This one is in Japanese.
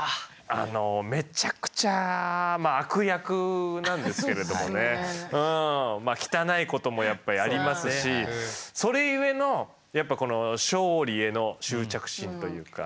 めちゃくちゃまあ悪役なんですけれどもね汚いこともやっぱやりますしそれゆえのやっぱこの勝利への執着心というか。